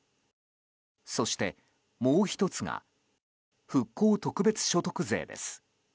そして、もう１つが復興特別所得税です。